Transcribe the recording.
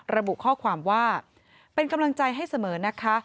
ระบุข้อความว่าเป็นกำลังใจให้เสมอนะคะ